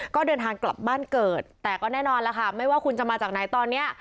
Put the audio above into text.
ก็เดินทางกลับบ้านเกิดแต่ก็แน่นอนแล้วค่ะไม่ว่าคุณจะมาจากไหนตอนนี้